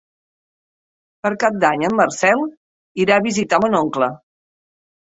Per Cap d'Any en Marcel irà a visitar mon oncle.